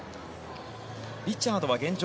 リチャードは現状